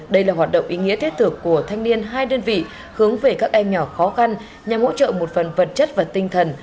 đây là hoạt động ý nghĩa thiết thực của thanh niên hai đơn vị hướng về các em nhỏ khó khăn nhằm hỗ trợ một phần vật chất và tinh thần